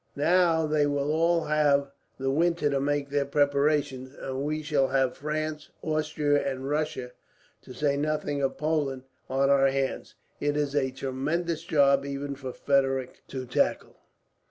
Now they will all have the winter to make their preparations, and we shall have France, Austria, and Russia, to say nothing of Poland, on our hands. It is a tremendous job even for Frederick to tackle."